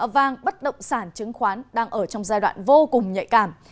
vang bất động sản chứng khoán đang ở trong giai đoạn vô cùng nhạy cảm